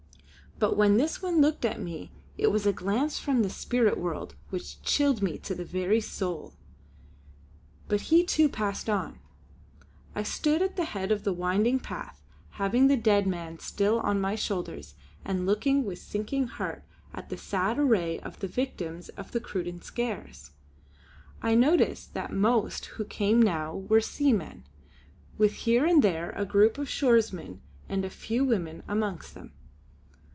But when this one looked at me it was a glance from the spirit world which chilled me to the very soul. But he too passed on. I stood at the head of the winding path, having the dead man still on my shoulders and looking with sinking heart at the sad array of the victims of the Cruden Skares. I noticed that most who came now were seamen, with here and there a group of shoresmen and a few women amongst them.